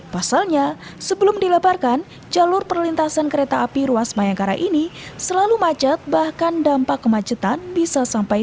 pasalnya sebelum dileparkan jalur perlintasan kereta api ruas mayakara ini selalu macet bahkan dampak kemacetan bisa sampai satu km